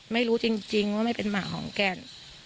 ไม่รู้จริงว่าไม่เป็นหมาของแกน